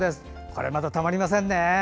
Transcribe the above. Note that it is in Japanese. これまた、たまりませんね。